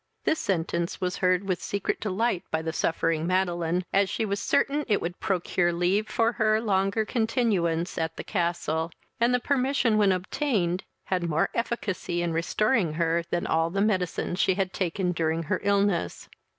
This sentence was heard with secret delight by the suffering Madeline, as she was certain it would procure leave for her longer continuance at the castle, and the permission, when obtained, had more efficacy in restoring her, than all the medicines she had taken during her illness.